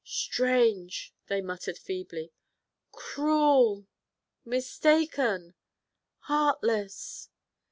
'Strange,' they muttered feebly, 'cruel mistaken heartless!'